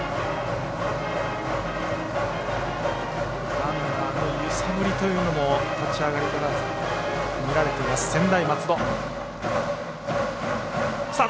ランナーの揺さぶりというのも立ち上がりから、見られています専大松戸。